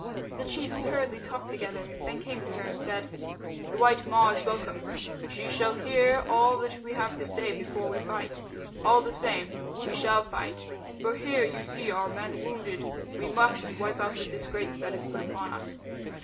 The chiefs hurriedly talked together, then they came to her and said "The white Ma is welcome. She shall hear all that we have to say before we fight. All the same we shall fight. For here you see are men wounded. We must wipe out the disgrace that is put upon us.